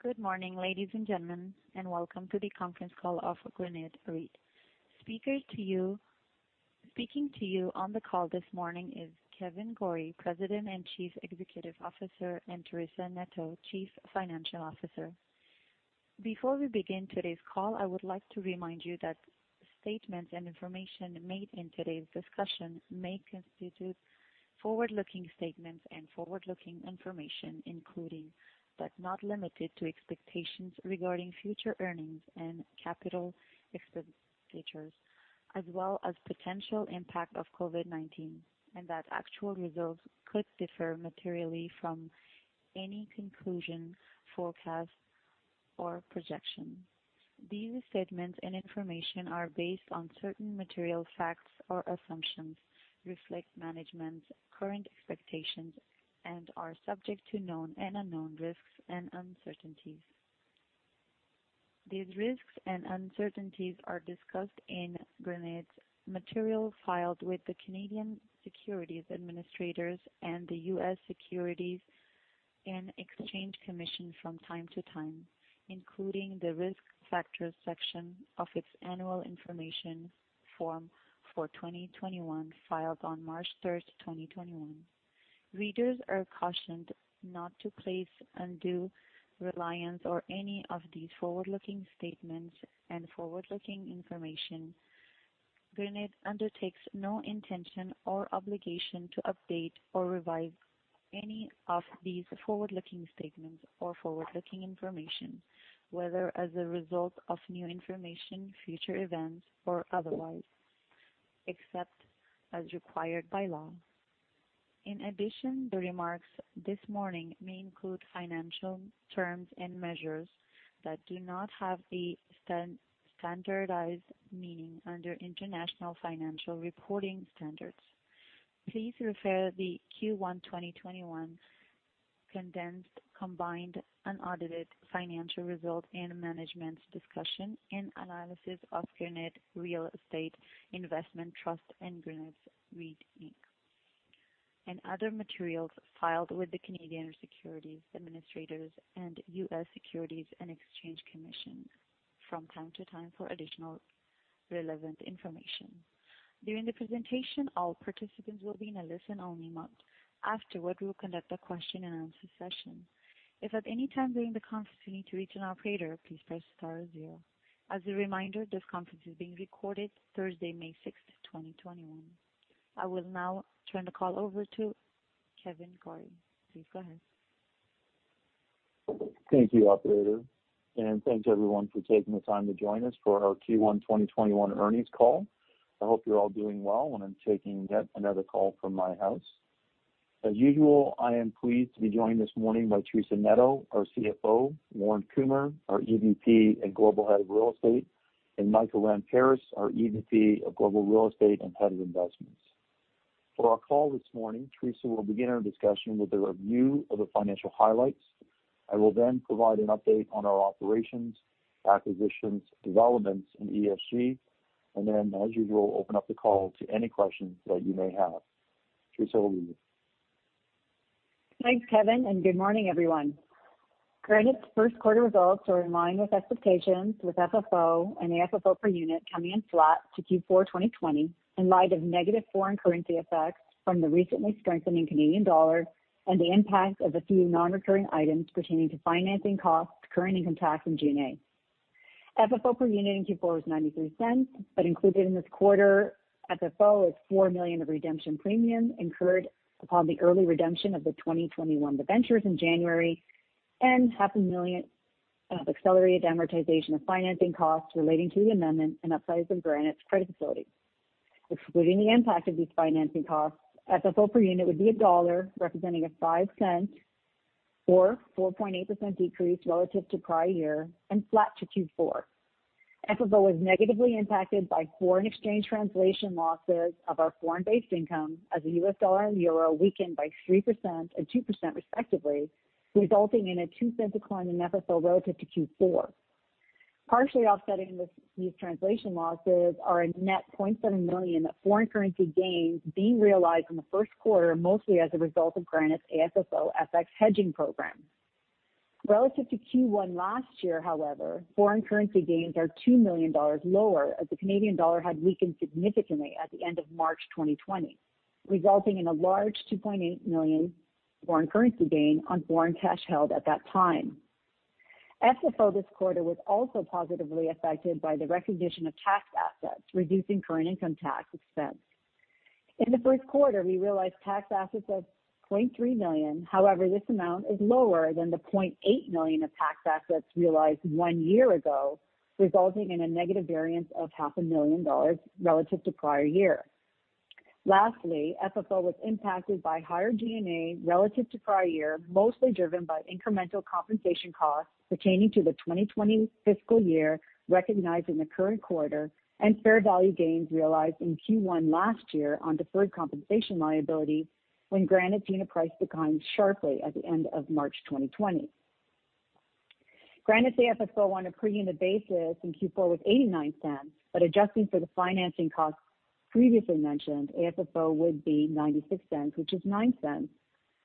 Good morning, ladies and gentlemen, and welcome to the conference call of Granite REIT. Speaking to you on the call this morning is Kevan Gorrie, President and Chief Executive Officer, and Teresa Neto, Chief Financial Officer. Before we begin today's call, I would like to remind you that statements and information made in today's discussion may constitute forward-looking statements and forward-looking information, including, but not limited to expectations regarding future earnings and capital expenditures, as well as potential impact of COVID-19, and that actual results could differ materially from any conclusion, forecast, or projection. These statements and information are based on certain material facts or assumptions, reflect management's current expectations, and are subject to known and unknown risks and uncertainties. These risks and uncertainties are discussed in Granite's material filed with the Canadian Securities Administrators and the U.S. Securities and Exchange Commission from time to time, including the risk factors section of its annual information form for 2021, filed on March 3rd, 2021. Readers are cautioned not to place undue reliance on any of these forward-looking statements and forward-looking information. Granite undertakes no intention or obligation to update or revise any of these forward-looking statements or forward-looking information, whether as a result of new information, future events, or otherwise, except as required by law. In addition, the remarks this morning may include financial terms and measures that do not have the standardized meaning under International Financial Reporting Standards. Please refer the Q1 2021 condensed combined unaudited financial results and management's discussion in analysis of Granite Real Estate Investment Trust and Granite REIT Inc., and other materials filed with the Canadian Securities Administrators and U.S. Securities and Exchange Commission from time to time for additional relevant information. Thank you, operator. Thanks everyone for taking the time to join us for our Q1 2021 earnings call. I hope you're all doing well when I'm taking yet another call from my house. As usual, I am pleased to be joined this morning by Teresa Neto, our CFO, Lorne Kumer, our EVP and Global Head of Real Estate, and Michael Ramparas, our EVP of Global Real Estate and Head of Investments. For our call this morning, Teresa will begin our discussion with a review of the financial highlights. I will then provide an update on our operations, acquisitions, developments in ESG. Then, as usual, open up the call to any questions that you may have. Teresa, over to you. Thanks, Kevan, good morning, everyone. Granite's first quarter results are in line with expectations with FFO and AFFO per unit coming in flat to Q4 2020 in light of negative foreign currency effects from the recently strengthening Canadian dollar and the impact of a few non-recurring items pertaining to financing costs, current income tax, and G&A. FFO per unit in Q4 was 0.93, included in this quarter FFO is 4 million of redemption premiums incurred upon the early redemption of the 2021 debentures in January, and 500,000 of accelerated amortization of financing costs relating to the amendment and upsize of Granite's credit facility. Excluding the impact of these financing costs, FFO per unit would be CAD 1.00 representing a 0.05 or 4.8% decrease relative to prior year and flat to Q4. FFO was negatively impacted by foreign exchange translation losses of our foreign-based income as the U.S. dollar and euro weakened by 3% and 2% respectively, resulting in a 0.02 decline in FFO relative to Q4. Partially offsetting these translation losses are a net 0.7 million foreign currency gains being realized in the first quarter, mostly as a result of Granite's AFFO FX hedging program. Relative to Q1 last year, however, foreign currency gains are 2 million dollars lower as the Canadian dollar had weakened significantly at the end of March 2020, resulting in a large 2.8 million foreign currency gain on foreign cash held at that time. FFO this quarter was also positively affected by the recognition of tax assets, reducing current income tax expense. In the first quarter, we realized tax assets of 0.3 million. However, this amount is lower than the 0.8 million of tax assets realized one year ago, resulting in a negative variance of 500,000 dollars relative to prior year. Lastly, FFO was impacted by higher G&A relative to prior year, mostly driven by incremental compensation costs pertaining to the 2020 fiscal year recognized in the current quarter and fair value gains realized in Q1 last year on deferred compensation liability when Granite unit price declined sharply at the end of March 2020. Granite's AFFO on a per unit basis in Q4 was 0.89, but adjusting for the financing costs previously mentioned, AFFO would be 0.96, which is 0.09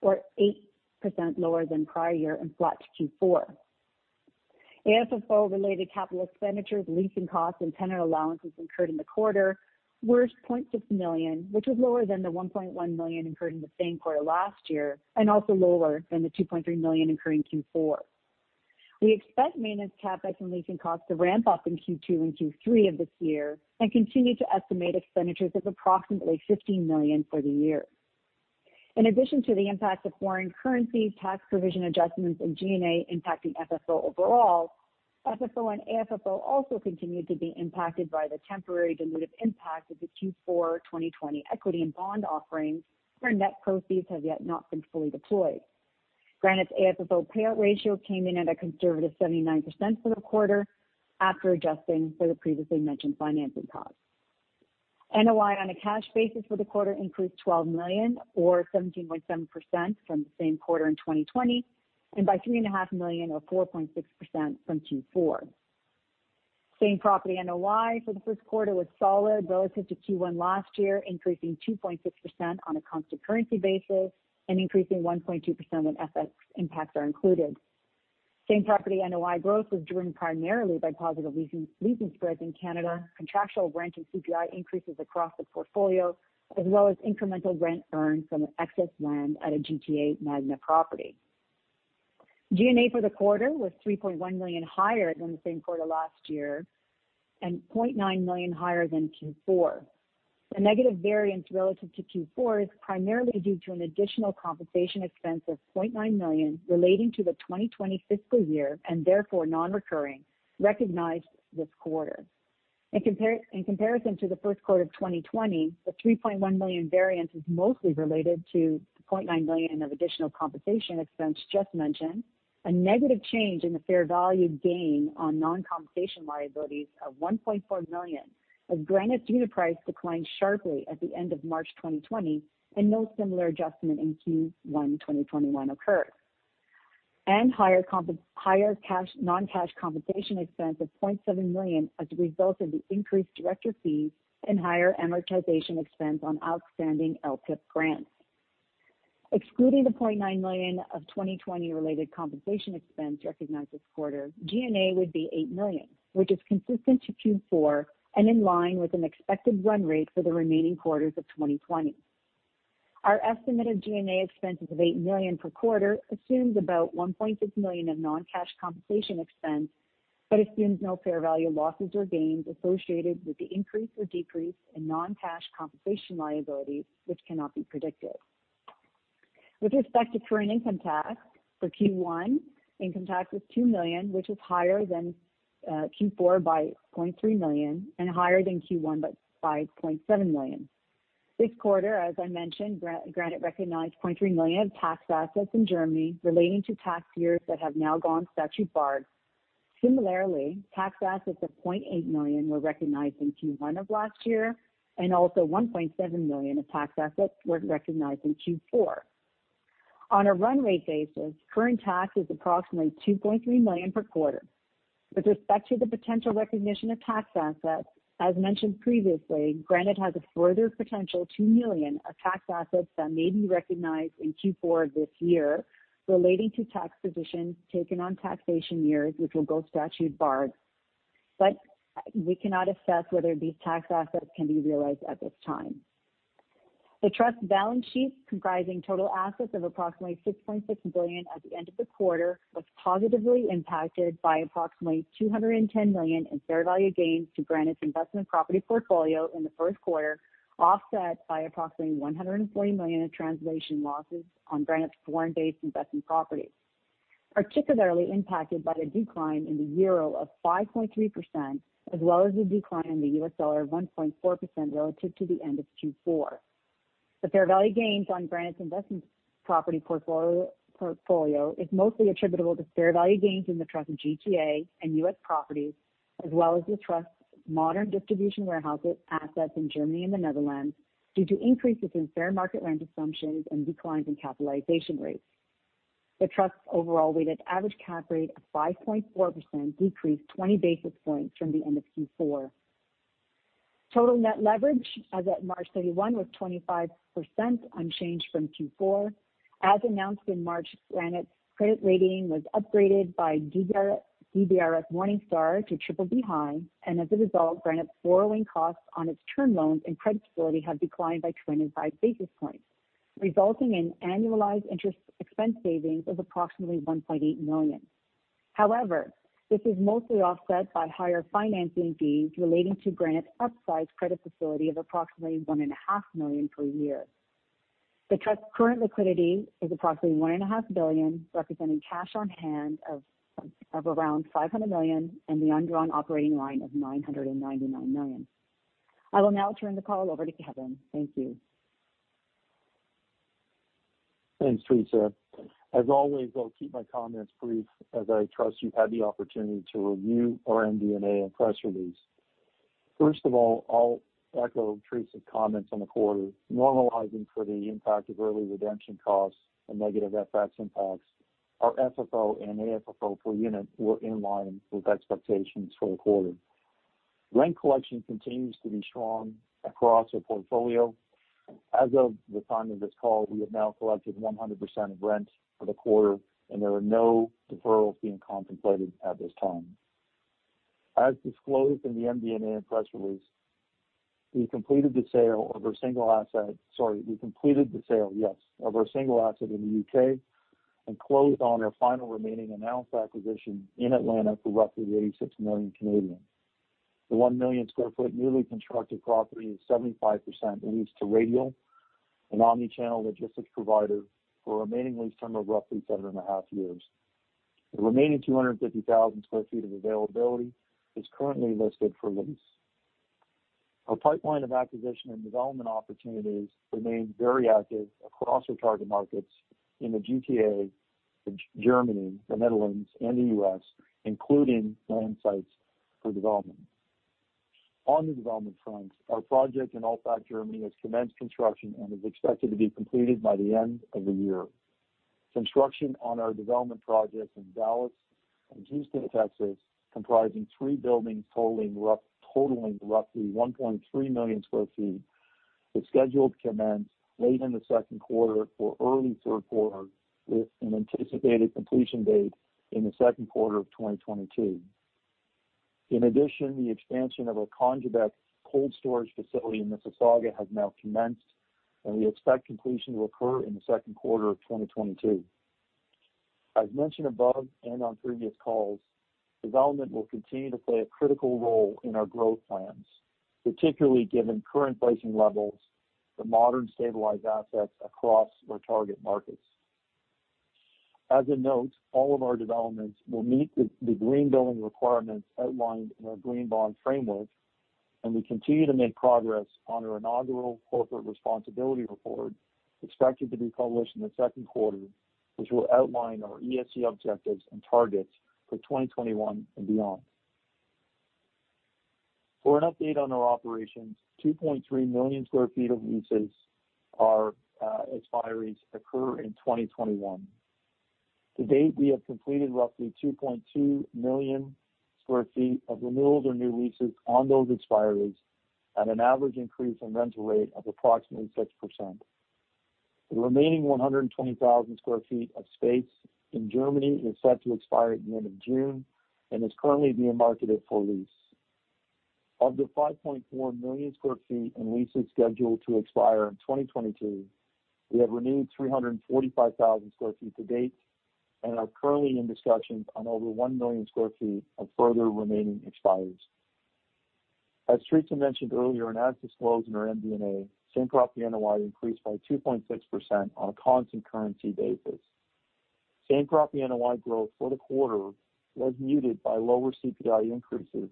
or 8% lower than prior year and flat to Q4. AFFO related capital expenditures, leasing costs, and tenant allowances incurred in the quarter were 0.6 million, which was lower than the 1.1 million incurred in the same quarter last year and also lower than the 2.3 million incurred in Q4. We expect maintenance CapEx and leasing costs to ramp up in Q2 and Q3 of this year and continue to estimate expenditures of approximately 15 million for the year. In addition to the impact of foreign currency, tax provision adjustments, and G&A impacting FFO overall, FFO and AFFO also continued to be impacted by the temporary dilutive impact of the Q4 2020 equity and bond offerings, where net proceeds have yet not been fully deployed. Granite's AFFO payout ratio came in at a conservative 79% for the quarter after adjusting for the previously mentioned financing costs. NOI on a cash basis for the quarter increased 12 million or 17.7% from the same quarter in 2020, and by 3.5 million or 4.6% from Q4. Same-Property NOI for the first quarter was solid relative to Q1 last year, increasing 2.6% on a constant currency basis and increasing 1.2% when FX impacts are included. Same-Property NOI growth was driven primarily by positive leasing spreads in Canada, contractual rent and CPI increases across the portfolio, as well as incremental rent earned from excess land at a GTA Magna property. G&A for the quarter was 3.1 million higher than the same quarter last year and 0.9 million higher than Q4. The negative variance relative to Q4 is primarily due to an additional compensation expense of 0.9 million relating to the 2020 fiscal year, and therefore non-recurring, recognized this quarter. In comparison to the first quarter of 2020, the 3.1 million variance is mostly related to the 0.9 million of additional compensation expense just mentioned. A negative change in the fair value gain on non-compensation liabilities of 1.4 million, as Granite's unit price declined sharply at the end of March 2020, and no similar adjustment in Q1 2021 occurred. Higher non-cash compensation expense of 0.7 million as a result of the increased director fees and higher amortization expense on outstanding LPIP grants. Excluding the CAD 0.9 million of 2020 related compensation expense recognized this quarter, G&A would be CAD 8 million, which is consistent to Q4 and in line with an expected run rate for the remaining quarters of 2020. Our estimate of G&A expenses of 8 million per quarter assumes about 1.6 million of non-cash compensation expense but assumes no fair value losses or gains associated with the increase or decrease in non-cash compensation liabilities, which cannot be predicted. With respect to current income tax for Q1, income tax was 2 million, which was higher than Q4 by 0.3 million and higher than Q1 by 0.7 million. This quarter, as I mentioned, Granite recognized 0.3 million of tax assets in Germany relating to tax years that have now gone statute barred. Similarly, tax assets of 0.8 million were recognized in Q1 of last year, and also 1.7 million of tax assets were recognized in Q4. On a run rate basis, current tax is approximately 2.3 million per quarter. With respect to the potential recognition of tax assets, as mentioned previously, Granite has a further potential 2 million of tax assets that may be recognized in Q4 this year relating to tax positions taken on taxation years, which will go statute-barred. We cannot assess whether these tax assets can be realized at this time. The trust's balance sheet, comprising total assets of approximately 6.6 billion at the end of the quarter, was positively impacted by approximately 210 million in fair value gains to Granite's investment property portfolio in the first quarter, offset by approximately 140 million of translation losses on Granite's foreign-based investment properties. Particularly impacted by the decline in the EUR of 5.3%, as well as the decline in the U.S. dollar of 1.4% relative to the end of Q4. The fair value gains on Granite's investment property portfolio is mostly attributable to fair value gains in the trust of GTA and U.S. properties, as well as the trust's modern distribution warehouse assets in Germany and the Netherlands due to increases in fair market rent assumptions and declines in capitalization rates. The trust's overall weighted average cap rate of 5.4% decreased 20 basis points from the end of Q4. Total net leverage as at March 31 was 25%, unchanged from Q4. As announced in March, Granite's credit rating was upgraded by DBRS Morningstar to BBB (high), and as a result, Granite's borrowing costs on its term loans and credit facility have declined by 25 basis points, resulting in annualized interest expense savings of approximately 1.8 million. However, this is mostly offset by higher financing fees relating to Granite's upsized credit facility of approximately 1.5 million per year. The trust's current liquidity is approximately 1.5 billion, representing cash on hand of around 500 million and the undrawn operating line of 999 million. I will now turn the call over to Kevan. Thank you. Thanks, Teresa. As always, I'll keep my comments brief as I trust you've had the opportunity to review our MD&A and press release. First of all, I'll echo Teresa's comments on the quarter. Normalizing for the impact of early redemption costs and negative FX impacts, our FFO and AFFO per unit were in line with expectations for the quarter. Rent collection continues to be strong across our portfolio. As of the time of this call, we have now collected 100% of rent for the quarter, and there are no deferrals being contemplated at this time. As disclosed in the MD&A press release, we completed the sale, yes, of our single asset in the U.K. and closed on our final remaining announced acquisition in Atlanta for roughly 86 million. The 1 million sq ft newly constructed property is 75% leased to Radial, an omni-channel logistics provider, for a remaining lease term of roughly 7.5 years. The remaining 250,000 sq ft of availability is currently listed for lease. Our pipeline of acquisition and development opportunities remains very active across our target markets in the GTA, Germany, the Netherlands, and the U.S., including land sites for development. On the development front, our project in Alzey, Germany, has commenced construction and is expected to be completed by the end of the year. Construction on our development projects in Dallas and Houston, Texas, comprising three buildings totaling roughly 1.3 million sq ft, is scheduled to commence late in the second quarter or early third quarter, with an anticipated completion date in the second quarter of 2022. In addition, the expansion of our Congebec cold storage facility in Mississauga has now commenced, and we expect completion to occur in the second quarter of 2022. As mentioned above and on previous calls, development will continue to play a critical role in our growth plans, particularly given current leasing levels for modern stabilized assets across our target markets. As a note, all of our developments will meet the green building requirements outlined in our green bond framework, and we continue to make progress on our inaugural corporate responsibility report, expected to be published in the second quarter, which will outline our ESG objectives and targets for 2021 and beyond. For an update on our operations, 2.3 million sq ft of leases are expiries occur in 2021. To date, we have completed roughly 2.2 million sq ft of renewals or new leases on those expiries at an average increase in rental rate of approximately 6%. The remaining 120,000 sq ft of space in Germany is set to expire at the end of June and is currently being marketed for lease. Of the 5.4 million sq ft in leases scheduled to expire in 2022, we have renewed 345,000 sq ft to date and are currently in discussions on over 1 million sq ft of further remaining expiries. As Teresa mentioned earlier and as disclosed in our MD&A, Same-Property NOI increased by 2.6% on a constant currency basis. Same-Property NOI growth for the quarter was muted by lower CPI increases,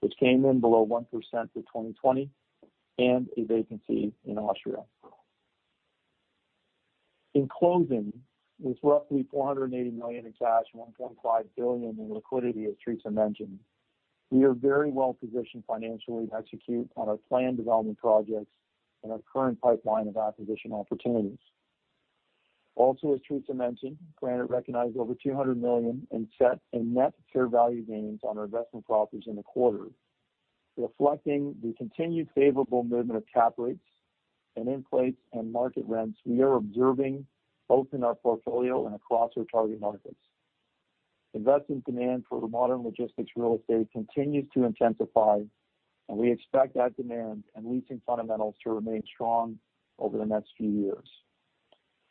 which came in below 1% for 2020, and a vacancy in Austria. In closing, with roughly 480 million in cash and 1.5 billion in liquidity as Teresa mentioned, we are very well positioned financially to execute on our planned development projects and our current pipeline of acquisition opportunities. Also, as Teresa mentioned, Granite recognized over 200 million in net fair value gains on our investment properties in the quarter. Reflecting the continued favorable movement of cap rates and inflation and market rents we are observing both in our portfolio and across our target markets. Investment demand for modern logistics real estate continues to intensify. We expect that demand and leasing fundamentals to remain strong over the next few years.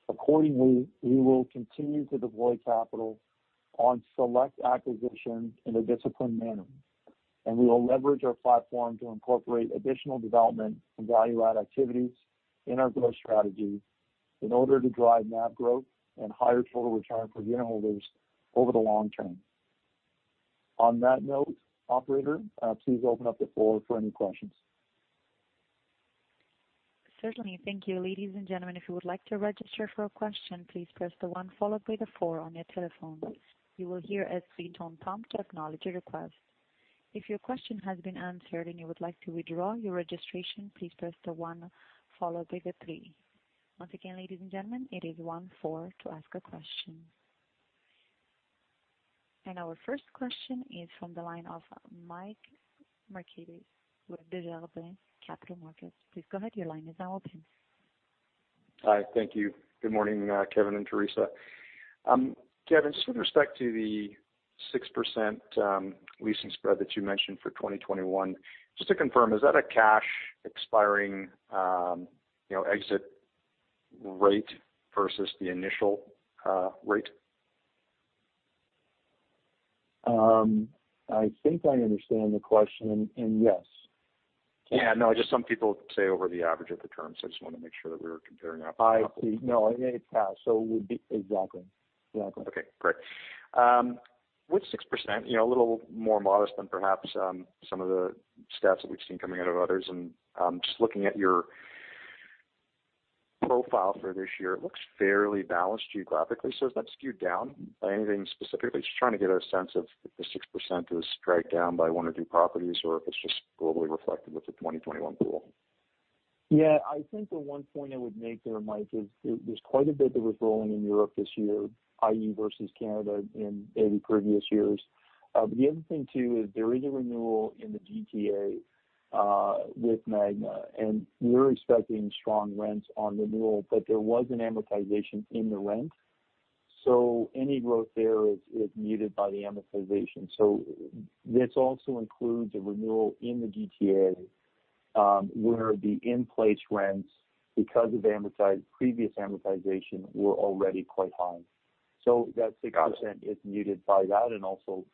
We will continue to deploy capital on select acquisitions in a disciplined manner, and we will leverage our platform to incorporate additional development and value add activities in our growth strategy in order to drive NAV growth and higher total return for unitholders over the long term. On that note, operator, please open up the floor for any questions. Certainly. Thank you. Our first question is from the line of Michael Markidis with Desjardins Capital Markets. Please go ahead, your line is now open. Hi. Thank you. Good morning, Kevan and Teresa. Kevan, just with respect to the 6% leasing spread that you mentioned for 2021, just to confirm, is that a cash expiring exit rate versus the initial rate? I think I understand the question, and yes. Yeah. No, just some people say over the average of the term. I just wanted to make sure that we were comparing apple to apple. I see. No, it's cash. It would be exactly. Okay, great. With 6%, a little more modest than perhaps some of the stats that we've seen coming out of others, just looking at your profile for this year looks fairly balanced geographically. Is that skewed down by anything specifically? Just trying to get a sense of if the 6% is straight down by one or two properties, or if it's just globally reflected with the 2021 pool. Yeah, I think the one point I would make there, Michael, is there's quite a bit that was rolling in Europe this year, i.e., versus Canada in any previous years. The other thing too is there is a renewal in the GTA with Magna, and we're expecting strong rents on renewal, but there was an amortization in the rent. Any growth there is muted by the amortization. This also includes a renewal in the GTA, where the in-place rents, because of previous amortization, were already quite high. That 6% is muted by that and also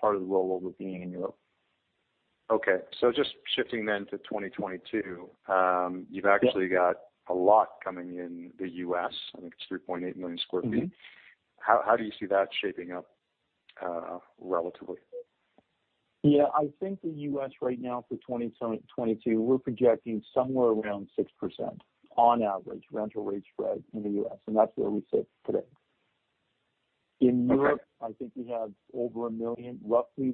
part of the rollover being in Europe. Okay. Just shifting then to 2022. Yeah. You've actually got a lot coming in the U.S. I think it's 3.8 million sq ft. How do you see that shaping up relatively? I think the U.S. right now for 2022, we're projecting somewhere around 6% on average rental rate spread in the U.S., and that's where we sit today. In Europe, I think we have over 1 million, roughly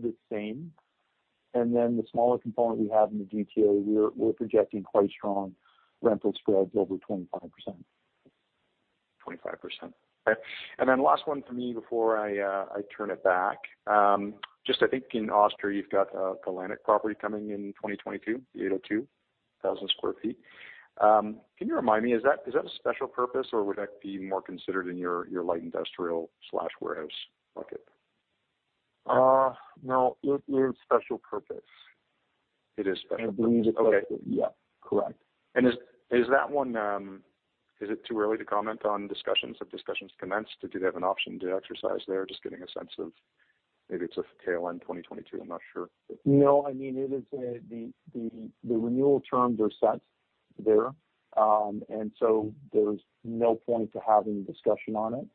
the same. The smaller component we have in the GTA, we're projecting quite strong rental spreads over 25%. 25%. Okay. Last one for me before I turn it back. I think in Austria, you've got a Gallizien property coming in 2022, the 802,000 sq ft. Can you remind me, is that a special purpose, or would that be more considered in your light industrial/warehouse bucket? No, it is special purpose. It is special purpose. I believe it's special purpose. Yeah, correct. Is it too early to comment on discussions? Have discussions commenced? Do they have an option to exercise there? Just getting a sense of maybe it's a tail-end 2022, I'm not sure. No, I mean, the renewal terms are set there. There's no point to having a discussion on it.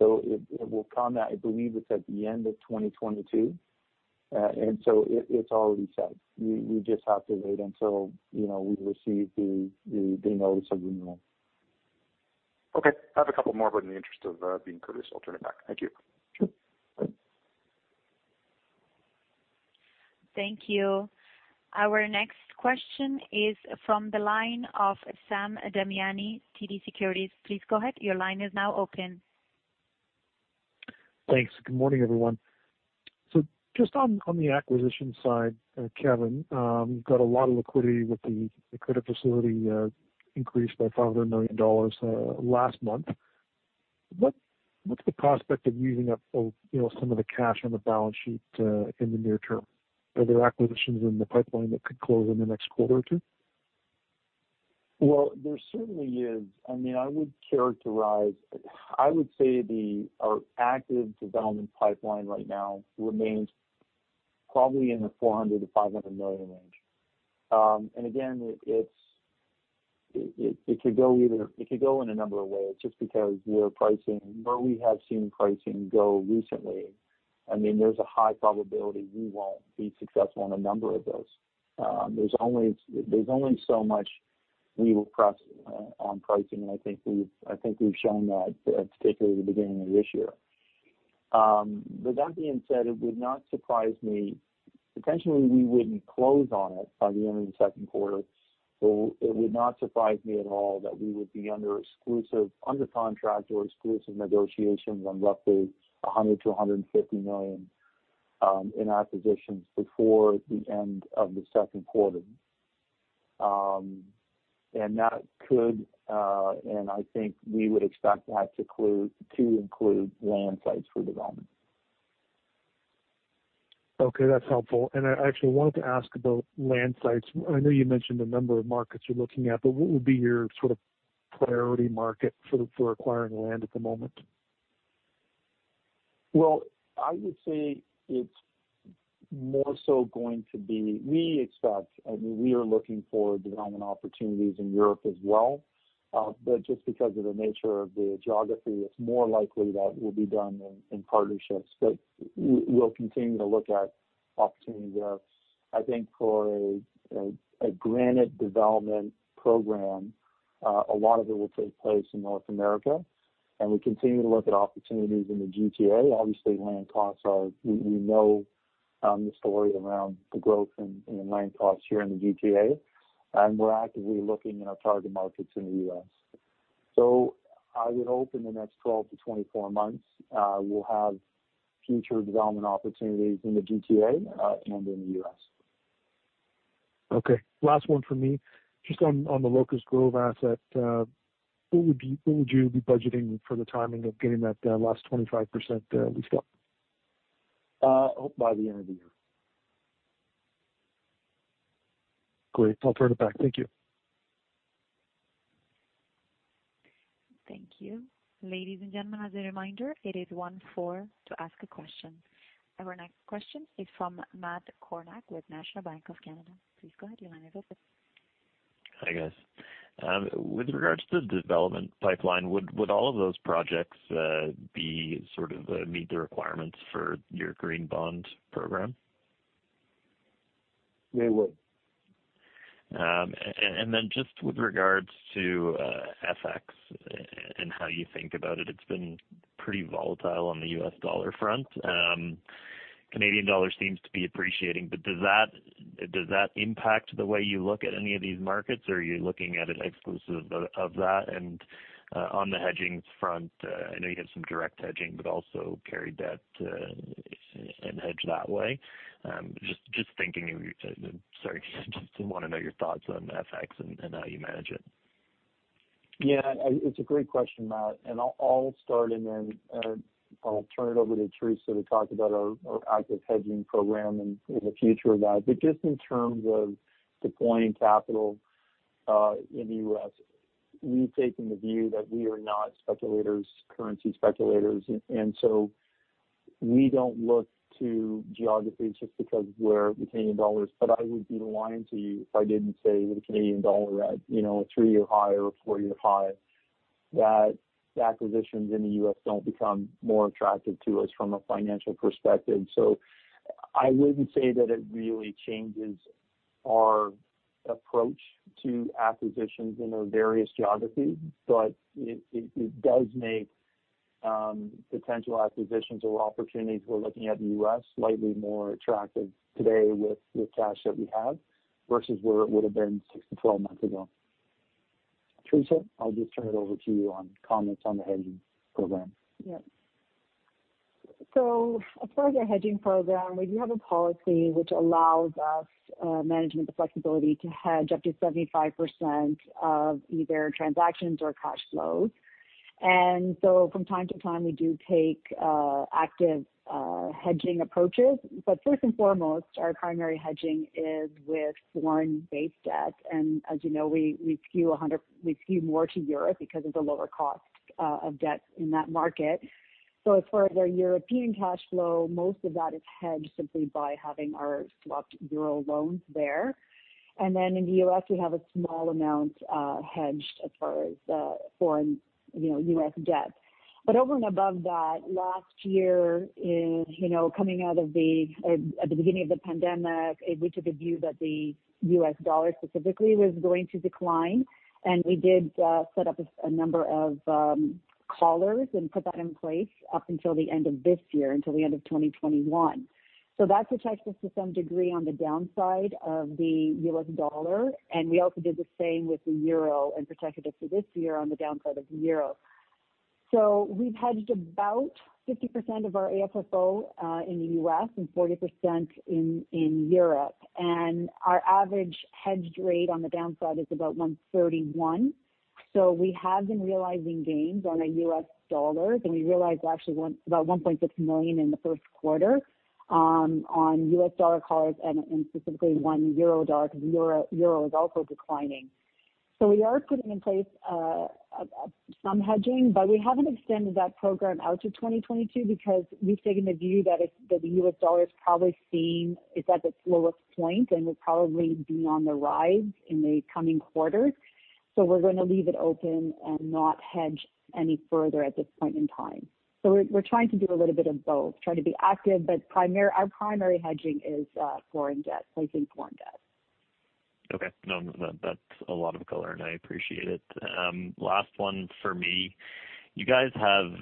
It will come at, I believe it's at the end of 2022. It's already set. We just have to wait until we receive the notice of renewal. Okay. I have a couple more, but in the interest of being courteous, I'll turn it back. Thank you. Sure. Thank you. Our next question is from the line of Sam Damiani, TD Securities. Please go ahead, your line is now open. Thanks. Good morning, everyone. Just on the acquisition side, Kevan, you've got a lot of liquidity with the credit facility increase by 500 million dollars last month. What's the prospect of using up some of the cash on the balance sheet in the near term? Are there acquisitions in the pipeline that could close in the next quarter or two? Well, there certainly is. I would say our active development pipeline right now remains probably in the 400 million-500 million range. Again, it could go in a number of ways just because where we have seen pricing go recently. There's a high probability we won't be successful in a number of those. There's only so much we will press on pricing, and I think we've shown that, particularly at the beginning of this year. That being said, it would not surprise me, potentially we wouldn't close on it by the end of the second quarter. It would not surprise me at all that we would be under contract or exclusive negotiations on roughly 100 million-150 million in acquisitions before the end of the second quarter. I think we would expect that to include land sites for development. Okay, that's helpful. I actually wanted to ask about land sites. I know you mentioned a number of markets you're looking at, but what would be your sort of priority market for acquiring land at the moment? Well, I would say it's more so we expect, we are looking for development opportunities in Europe as well. Just because of the nature of the geography, it's more likely that will be done in partnerships. We'll continue to look at opportunities there. I think for a Granite development program, a lot of it will take place in North America. We continue to look at opportunities in the GTA. Obviously, land costs, we know the story around the growth in land costs here in the GTA. We're actively looking in our target markets in the U.S. I would hope in the next 12-24 months, we'll have future development opportunities in the GTA and in the U.S. Okay. Last one for me. Just on the Locust Grove asset, what would you be budgeting for the timing of getting that last 25% leased up? By the end of the year. Great. I'll turn it back. Thank you. Thank you. Our next question is from Matt Kornack with National Bank Financial. Hi, guys. With regards to the development pipeline, would all of those projects sort of meet the requirements for your green bond program? We will. Just with regards to FX and how you think about it's been pretty volatile on the U.S. dollar front. Canadian dollar seems to be appreciating, but does that impact the way you look at any of these markets, or are you looking at it exclusive of that? On the hedging front, I know you have some direct hedging, but also carry debt and hedge that way. Sorry, just want to know your thoughts on FX and how you manage it. It's a great question, Matt, I'll start and then I'll turn it over to Teresa to talk about our active hedging program and the future of that. Just in terms of deploying capital in the U.S., we've taken the view that we are not currency speculators, we don't look to geographies just because we're Canadian dollars. I would be lying to you if I didn't say with a Canadian dollar at a three-year high or a four-year high, that acquisitions in the U.S. don't become more attractive to us from a financial perspective. I wouldn't say that it really changes our approach to acquisitions in our various geographies, it does make potential acquisitions or opportunities we're looking at in the U.S. slightly more attractive today with the cash that we have versus where it would've been 6-12 months ago. Teresa, I'll just turn it over to you on comments on the hedging program. Yeah. As far as our hedging program, we do have a policy which allows us management the flexibility to hedge up to 75% of either transactions or cash flows. From time to time, we do take active hedging approaches. First and foremost, our primary hedging is with foreign base debt. As you know, we skew more to Europe because of the lower cost of debt in that market. As far as our European cash flow, most of that is hedged simply by having our swapped euros loans there. In the U.S., we have a small amount hedged as far as foreign U.S. debt. Over and above that, last year, at the beginning of the pandemic, we took a view that the U.S. dollar specifically was going to decline, and we did set up a number of collars and put that in place up until the end of this year, until the end of 2021. That protects us to some degree on the downside of the U.S. dollar. We also did the same with the euro and protected us for this year on the downside of the euro. We've hedged about 50% of our AFFO in the U.S. and 40% in Europe. Our average hedged rate on the downside is about 131. We have been realizing gains on our U.S. dollars, and we realized actually about $1.6 million in the first quarter on U.S. dollar collars and specifically one euro dollar because euro is also declining. We are putting in place some hedging, but we haven't extended that program out to 2022 because we've taken the view that the U.S. dollar is at its lowest point and will probably be on the rise in the coming quarters. We're going to leave it open and not hedge any further at this point in time. We're trying to do a little bit of both, trying to be active, but our primary hedging is placing foreign debt. Okay. No, that's a lot of color, and I appreciate it. Last one for me. You guys have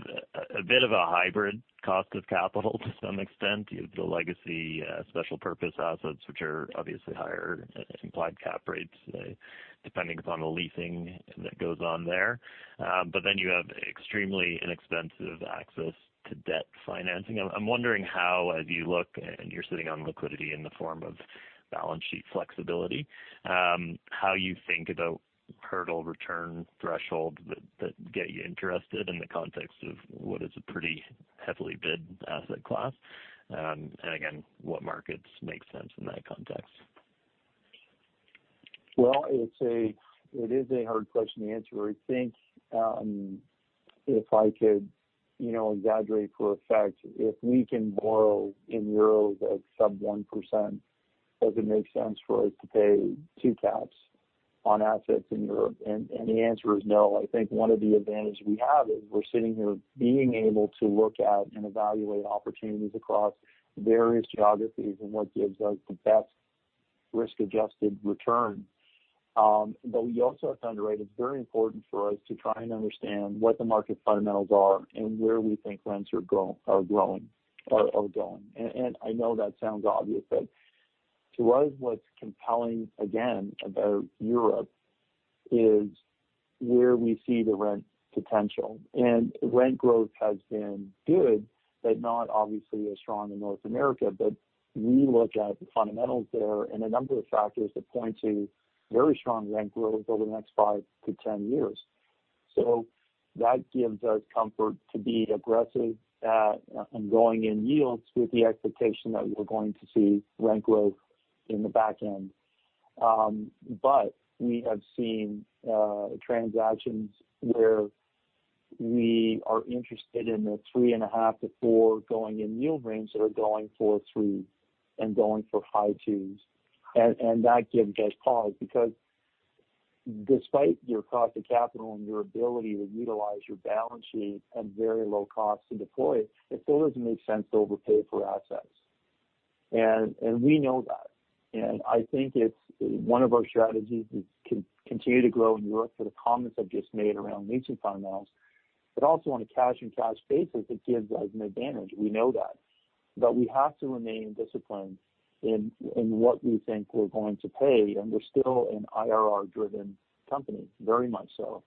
a bit of a hybrid cost of capital to some extent. You have the legacy special purpose assets, which are obviously higher implied cap rates depending upon the leasing that goes on there. You have extremely inexpensive access to debt financing. I'm wondering how, as you look and you're sitting on liquidity in the form of balance sheet flexibility, how you think about hurdle return thresholds that get you interested in the context of what is a pretty heavily bid asset class. Again, what markets make sense in that context? Well, it is a hard question to answer. I think, if I could exaggerate for effect, if we can borrow in euro at sub 1%, does it make sense for us to pay two caps on assets in Europe? The answer is no. I think one of the advantages we have is we're sitting here being able to look at and evaluate opportunities across various geographies and what gives us the best risk-adjusted return. We also have to underweight. It's very important for us to try and understand what the market fundamentals are and where we think rents are going. I know that sounds obvious, but to us, what's compelling again about Europe is where we see the rent potential. Rent growth has been good, but not obviously as strong in North America. We look at the fundamentals there and a number of factors that point to very strong rent growth over the next 5-10 years. That gives us comfort to be aggressive at and going in yields with the expectation that we are going to see rent growth in the back end. We have seen transactions where we are interested in the 3.5-4 going in yield range that are going for three and going for high 2s. That gives us pause. Despite your cost of capital and your ability to utilize your balance sheet at very low cost to deploy it still does not make sense to overpay for assets. We know that. I think it's one of our strategies is to continue to grow in Europe for the comments I've just made around leasing fundamentals, but also on a cash and cash basis, it gives us an advantage. We know that. We have to remain disciplined in what we think we're going to pay, and we're still an IRR-driven company, very much so.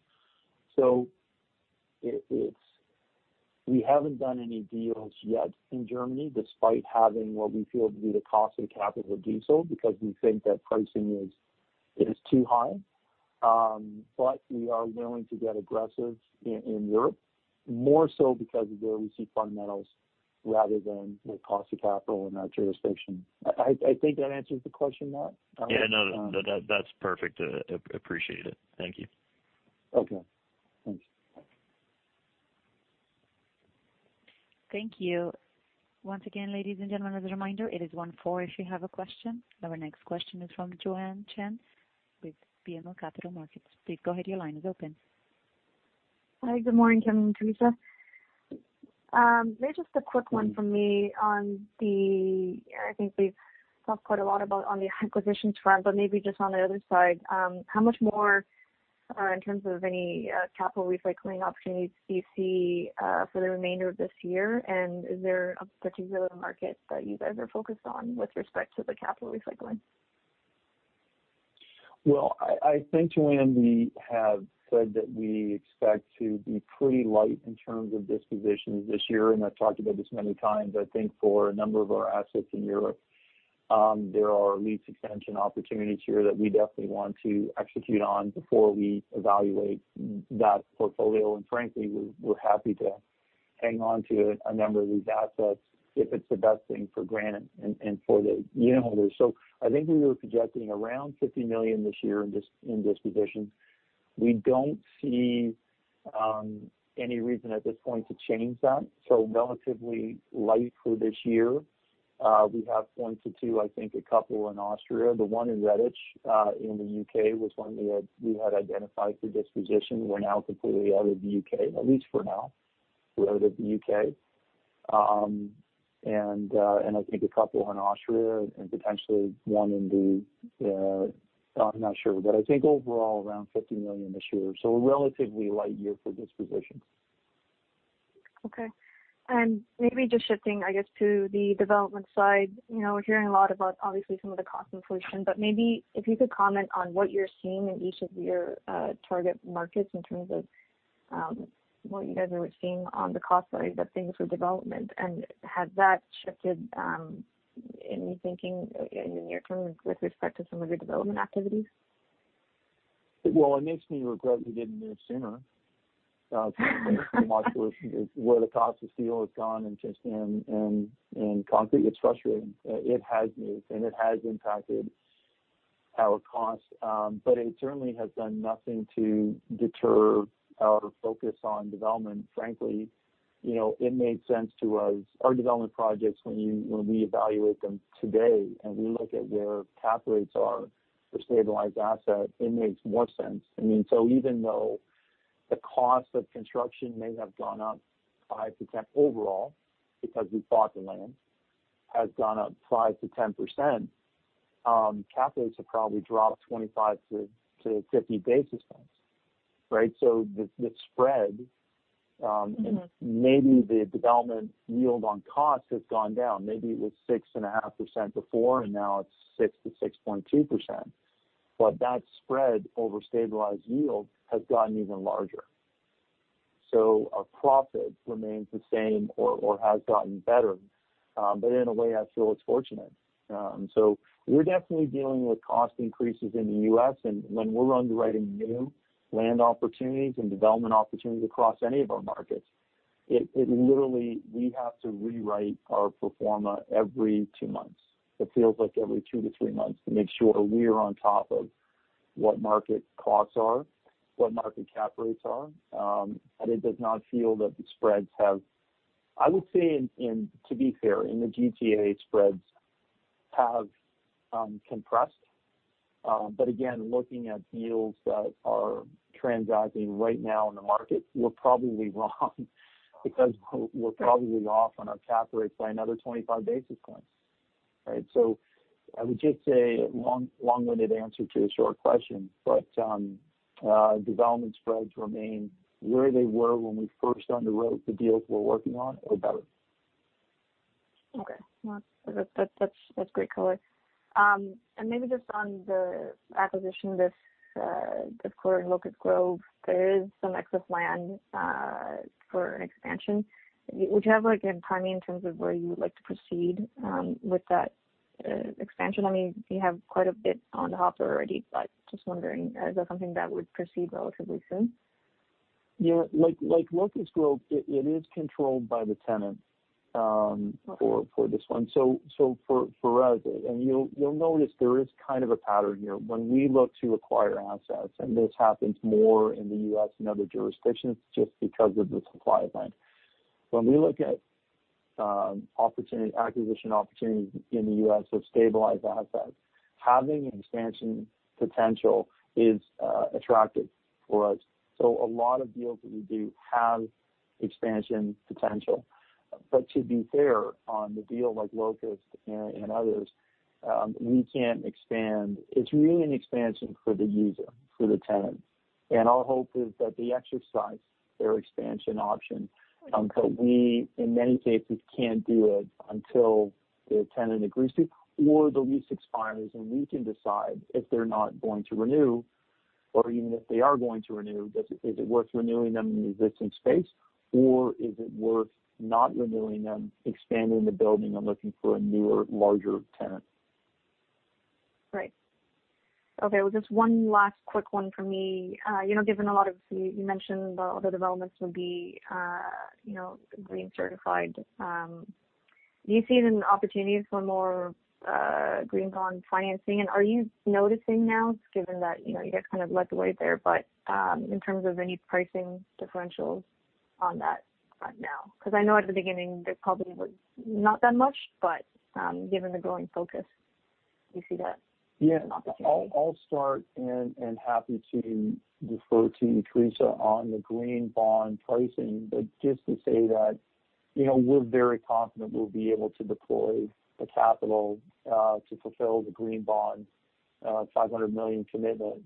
We haven't done any deals yet in Germany, despite having what we feel to be the cost of capital to do so, because we think that pricing is too high. We are willing to get aggressive in Europe, more so because of their leasing fundamentals rather than the cost of capital in that jurisdiction. I think that answers the question, Matt? Yeah, no, that's perfect. Appreciate it. Thank you. Okay. Thanks. Thank you. Once again, ladies and gentlemen, as a reminder, it is one, four if you have a question. Our next question is from Joanne Chen with BMO Capital Markets. Please go ahead, your line is open. Hi, good morning, Kevan and Teresa. Maybe just a quick one from me on the-- I think we've talked quite a lot about on the acquisitions front, but maybe just on the other side. How much more in terms of any capital recycling opportunities do you see for the remainder of this year? Is there a particular market that you guys are focused on with respect to the capital recycling? Well, I think, Joanne, we have said that we expect to be pretty light in terms of dispositions this year, and I've talked about this many times. I think for a number of our assets in Europe, there are lease extension opportunities here that we definitely want to execute on before we evaluate that portfolio. Frankly, we're happy to hang on to a number of these assets if it's the best thing for Granite and for the unitholders. I think we were projecting around 50 million this year in dispositions. We don't see any reason at this point to change that. Relatively light for this year. We have pointed to, I think, a couple in Austria. The one in Redditch in the U.K. was one we had identified for disposition. We're now completely out of the U.K., at least for now. We're out of the U.K. I think a couple in Austria and potentially one in the I'm not sure, but I think overall around 50 million this year. A relatively light year for dispositions. Okay. Maybe just shifting, I guess, to the development side. We are hearing a lot about, obviously, some of the cost inflation, but maybe if you could comment on what you are seeing in each of your target markets in terms of what you guys are seeing on the cost side of things for development. Has that shifted any thinking in the near term with respect to some of your development activities? Well, it makes me regret we didn't move sooner. Where the cost of steel has gone and just concrete, it's frustrating. It has moved, it has impacted our costs. It certainly has done nothing to deter our focus on development. Frankly, it made sense to us. Our development projects, when we evaluate them today, we look at where cap rates are for stabilized assets, it makes more sense. Even though the cost of construction may have gone up 5% overall because we bought the land, has gone up 5%-10%, cap rates have probably dropped 25-50 basis points. The spread, maybe the development yield on cost has gone down. Maybe it was 6.5% before, now it's 6%-6.2%. That spread over stabilized yield has gotten even larger. Our profit remains the same or has gotten better. In a way, I feel it's fortunate. We're definitely dealing with cost increases in the U.S., and when we're underwriting new land opportunities and development opportunities across any of our markets, it literally, we have to rewrite our pro forma every two months. It feels like every 2-3 months to make sure we're on top of what market costs are, what market cap rates are. I would say, to be fair, in the GTA, spreads have compressed. Again, looking at deals that are transacting right now in the market, we're probably wrong because we're probably off on our cap rates by another 25 basis points. I would just say, long-winded answer to a short question, development spreads remain where they were when we first underwrote the deals we're working on or better. Okay. Well, that's great color. Maybe just on the acquisition, this quarter in Locust Grove, there is some excess land for an expansion. Would you have a timing in terms of where you would like to proceed with that expansion? You have quite a bit on the hopper already, but just wondering, is that something that would proceed relatively soon? Like Locust Grove, it is controlled by the tenant for this one. For us, you'll notice there is kind of a pattern here. When we look to acquire assets, and this happens more in the U.S. than other jurisdictions, just because of the supply event. When we look at acquisition opportunities in the U.S. to stabilize the assets. Having an expansion potential is attractive for us. A lot of deals that we do have expansion potential. To be fair on the deal like Locust and others, we can't expand. It's really an expansion for the user, for the tenant. Our hope is that they exercise their expansion option. We, in many cases, can't do it until the tenant agrees to or the lease expires, and we can decide if they're not going to renew or even if they are going to renew, is it worth renewing them in the existing space or is it worth not renewing them, expanding the building and looking for a newer, larger tenant? Right. Okay, well, just one last quick one from me. Given a lot of, you mentioned the other developments would be green certified. Do you see any opportunities for more green bond financing? Are you noticing now, given that you guys kind of led the way there, but in terms of any pricing differentials on that front now? I know at the beginning there probably was not that much, but given the growing focus, do you see that as an opportunity? Yeah. I'll start and happy to defer to Teresa on the green bond pricing. Just to say that we're very confident we'll be able to deploy the capital to fulfill the green bond 500 million commitment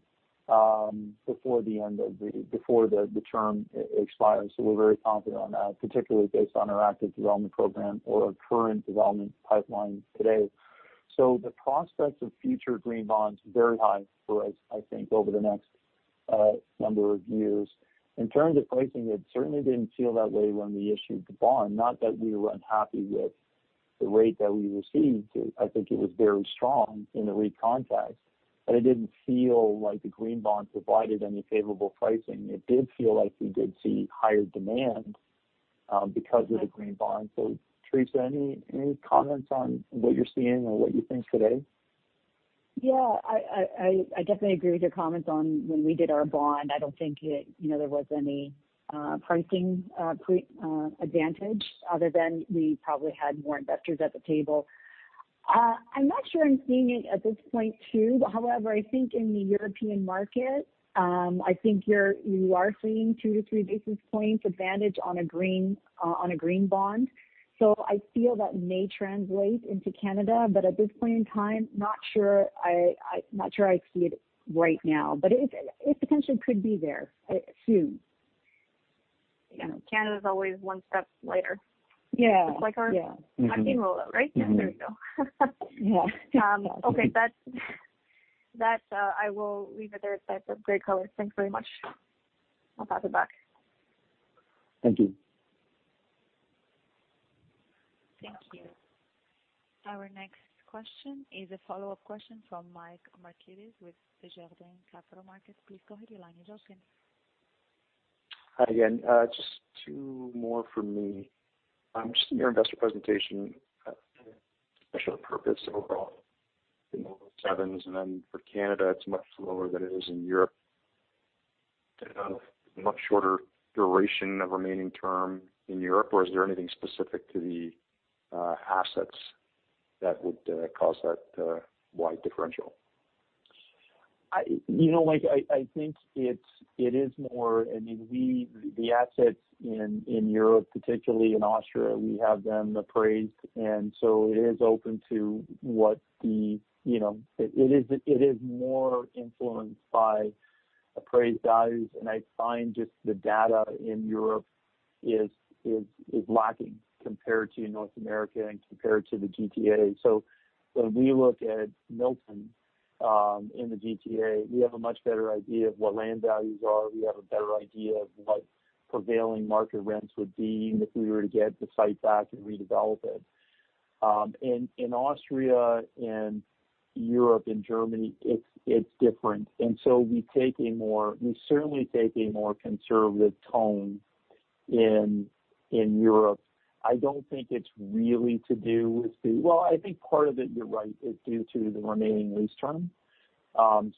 before the term expires. We're very confident on that, particularly based on our active development program or our current development pipeline today. The prospects of future green bonds are very high for us, I think, over the next number of years. In terms of pricing, it certainly didn't feel that way when we issued the bond. Not that we were unhappy with the rate that we received. I think it was very strong in the REIT context, but it didn't feel like the green bond provided any favorable pricing. It did feel like we did see higher demand because of the green bond. Teresa, any comments on what you're seeing or what you think today? Yeah. I definitely agree with your comments on when we did our bond. I don't think there was any pricing advantage other than we probably had more investors at the table. I'm not sure I'm seeing it at this point, too. However, I think in the European market, I think you are seeing 2-3 basis points advantage on a green bond. I feel that may translate into Canada. At this point in time, not sure I see it right now. It potentially could be there soon. Yeah. Canada's always one step later. Yeah. Just like our time being rolled out, right? Yeah, there we go. Yeah. Okay. That I will leave it there. That's a great color. Thanks very much. I'll pass it back. Thank you. Thank you. Our next question is a follow-up question from Michael Markidis with Desjardins Capital Markets. Hi again. Just two more from me. Just in your investor presentation, special purpose overall in the sevens. For Canada, it's much lower than it is in Europe. Much shorter duration of remaining term in Europe, or is there anything specific to the assets that would cause that wide differential? Michael, the assets in Europe, particularly in Austria, we have them appraised. It is more influenced by appraised values, and I find just the data in Europe is lacking compared to North America and compared to the GTA. When we look at Milton in the GTA, we have a much better idea of what land values are, we have a better idea of what prevailing market rents would be, even if we were to get the site back and redevelop it. In Austria and Europe and Germany, it's different. We certainly take a more conservative tone in Europe. I think part of it, you're right, is due to the remaining lease term.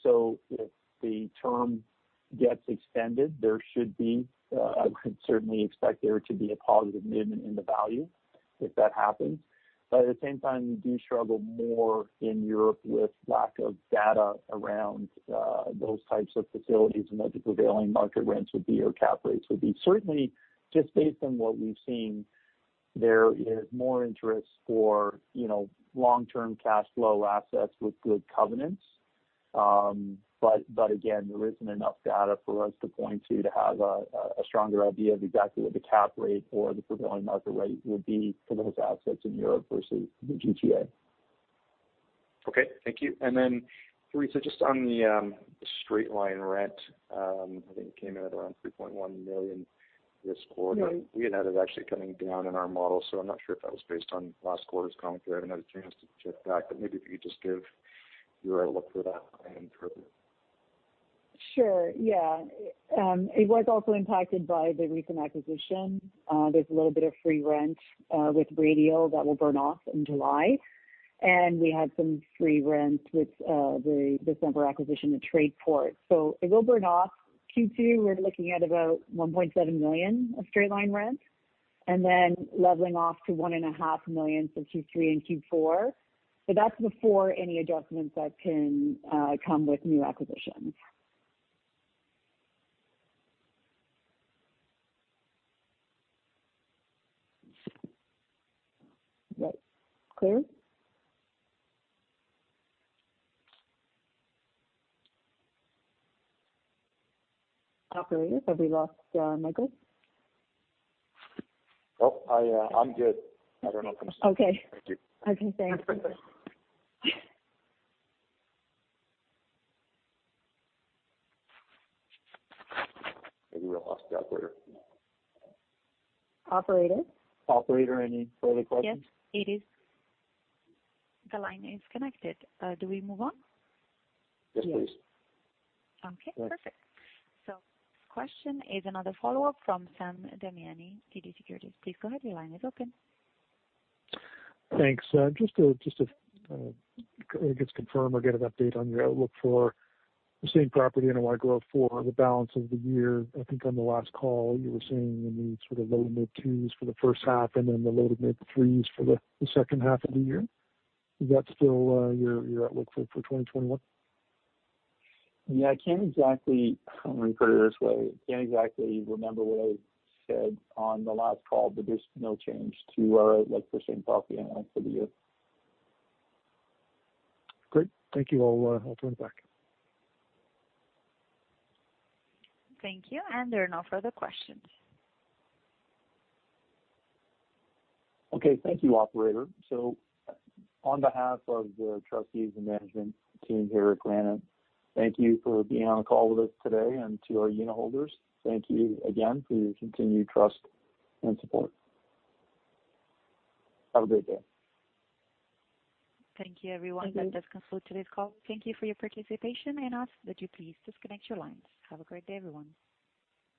If the term gets extended, I would certainly expect there to be a positive movement in the value if that happens. At the same time, we do struggle more in Europe with lack of data around those types of facilities and what the prevailing market rents would be or cap rates would be. Certainly, just based on what we've seen, there is more interest for long-term cash flow assets with good covenants. Again, there isn't enough data for us to point to have a stronger idea of exactly what the cap rate or the prevailing market rate would be for those assets in Europe versus the GTA. Okay. Thank you. Then Teresa, just on the straight-line rent, I think it came in at around 3.1 million this quarter. We had had it actually coming down in our model, so I'm not sure if that was based on last quarter's commentary. I haven't had a chance to check back, but maybe if you could just give your outlook for that going forward. Sure. Yeah. It was also impacted by the recent acquisition. There's a little bit of free rent with Radial that will burn off in July. We had some free rent with the December acquisition at Tradeport. It will burn off. Q2, we're looking at about 1.7 million of straight-line rent. Then leveling off to 1.5 million for Q3 and Q4. That's before any adjustments that can come with new acquisitions. Is that clear? Operator, have we lost Michael? Nope, I'm good. I don't know. Okay. Thank you. Okay, thanks. Maybe we lost the operator. Operator? Operator, any further questions? Yes, it is. The line is connected. Do we move on? Yes, please. Okay, perfect. Question is another follow-up from Sam Damiani, TD Securities. Please go ahead. Your line is open. Thanks. Just to confirm or get an update on your outlook for the Same-Property NOI growth for the balance of the year. I think on the last call, you were saying you need sort of low to mid 2s for the first half and then the low to mid 3s for the second half of the year. Is that still your outlook for 2021? Yeah, let me put it this way. I can't exactly remember what I said on the last call, but there's no change to our outlook for same property for the year. Great, thank you. I'll turn it back. Thank you. There are no further questions. Okay. Thank you, operator. On behalf of the trustees and management team here at Granite, thank you for being on a call with us today, and to our unitholders, thank you again for your continued trust and support. Have a great day. Thank you, everyone. Thank you. That does conclude today's call. Thank you for your participation and ask that you please disconnect your lines. Have a great day, everyone.